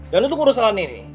dan untuk urusan ini